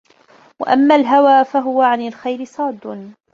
وَأَمَّا الْهَوَى فَهُوَ عَنْ الْخَيْرِ صَادٌّ